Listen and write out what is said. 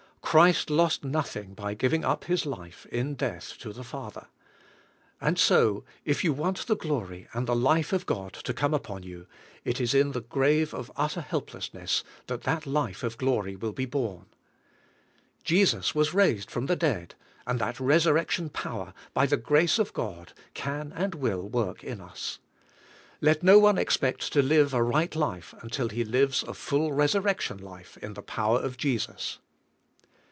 Christ lost nothing b}^ giving up His life in death to the Father. And so, if you want the glory and the life of God to come upon you, it is in the grave of utter helpless ness that that life of glory will be born. Jesus was raised from the dead, and that resurrection power, by the grace of God, can and will work in us. Let no one expect to live a right life until he lives a full resurrection life in the power of Jesus.